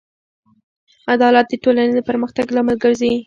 عدالت د ټولنې د پرمختګ لامل ګرځي.